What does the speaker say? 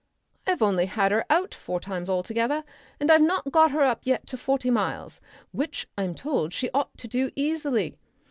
I've only had her out four times altogether, and I've not got her up yet to forty miles. Which I'm told she ought to do easily.